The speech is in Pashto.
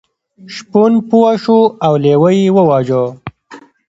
شپون پوه شو او لیوه یې وواژه.